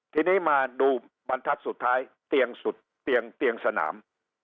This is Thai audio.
ทีนี้มาดูบรรทัศน์สุดท้ายเตียงสุดเตียงสนาม